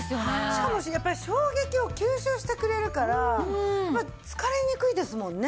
しかもやっぱり衝撃を吸収してくれるから疲れにくいですもんね。